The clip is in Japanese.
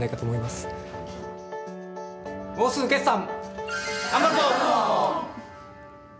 もうすぐ決算。